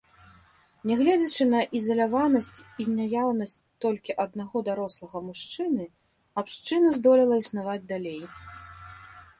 Негледзячы на ізаляванасць і наяўнасць толькі аднаго дарослага мужчыны, абшчына здолела існаваць далей.